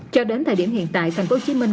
cho đến thời điểm hiện tại thành phố hồ chí minh